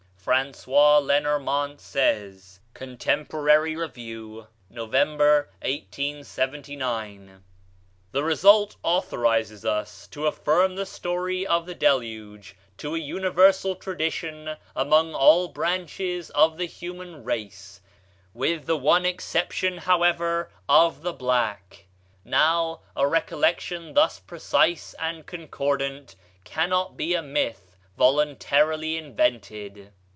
François Lenormant says (Contemp. Rev., Nov., 1879): "The result authorizes us to affirm the story of the Deluge to be a universal tradition among all branches of the human race, with the one exception, however, of the black. Now, a recollection thus precise and concordant cannot be a myth voluntarily invented.